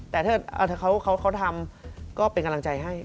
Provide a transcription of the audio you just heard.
แต่ถ้าเขาทำก็เป็นกำลังใจให้